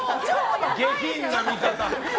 下品な見方。